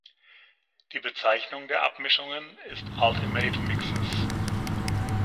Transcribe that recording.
Die Bezeichnung der Abmischungen ist "Ultimate Mixes".